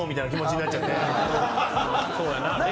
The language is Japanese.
そうやな。